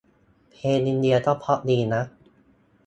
เพลงอินเดียก็เพราะดีนะ